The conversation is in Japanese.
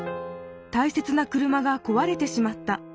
大切な車がこわれてしまった。